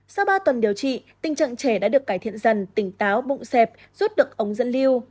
sau ba tuần điều trị tình trạng trẻ đã được cải thiện dần tỉnh táo bụng xẹp rút được ống dẫn liêu